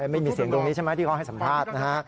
ไม่มีเสียงตรงนี้ใช่ไหมที่เขาให้สัมภาษณ์นะฮะ